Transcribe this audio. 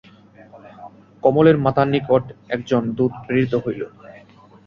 কমলের মাতার নিকটে একজন দূত প্রেরিত হইল।